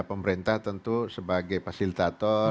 pemerintah tentu sebagai fasilitator